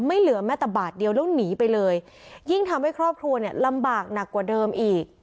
เหลือแม้แต่บาทเดียวแล้วหนีไปเลยยิ่งทำให้ครอบครัวเนี่ยลำบากหนักกว่าเดิมอีก